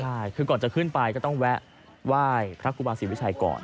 ใช่คือก่อนจะขึ้นไปก็ต้องแวะไหว้พระครูบาศรีวิชัยก่อน